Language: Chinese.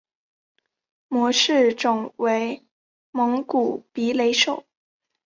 模式种为蒙古鼻雷兽。